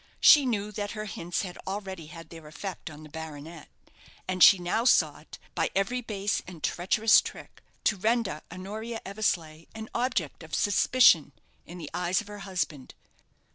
She knew that her hints had already had their effect on the baronet; and she now sought, by every base and treacherous trick, to render Honoria Eversleigh an object of suspicion in the eyes of her husband.